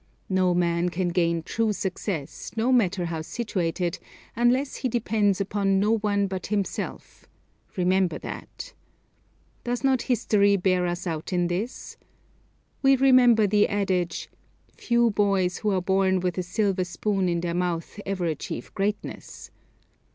No man can gain true success, no matter how situated, unless he depends upon no one but himself; remember that. Does not history bear us out in this? We remember the adage, "Few boys who are born with a silver spoon in their mouth ever achieve greatness."